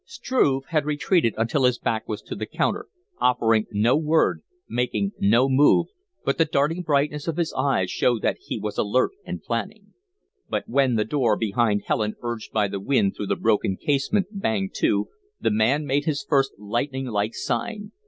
Struve had retreated until his back was to the counter, offering no word, making no move, but the darting brightness of his eyes showed that he was alert and planning. But when the door behind Helen, urged by the wind through the broken casement, banged to, the man made his first lightning like sign.